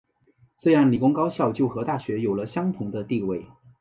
这样理工高校就和大学有了相同的地位。